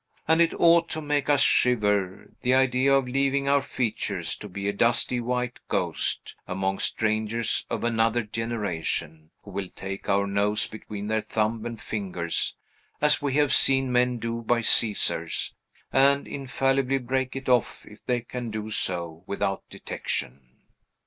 And it ought to make us shiver, the idea of leaving our features to be a dusty white ghost among strangers of another generation, who will take our nose between their thumb and fingers (as we have seen men do by Caesar's), and infallibly break it off if they can do so without detection!